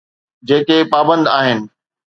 جيڪي پابند آهن.